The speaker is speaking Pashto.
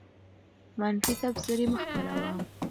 منفي تبصرې مه خپروه.